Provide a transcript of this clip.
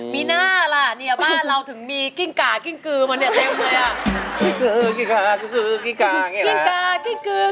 ปีหน้าล่ะนี่บ้านเราถึงมีกิ้งกะกิ้งกือมาเท่มเลย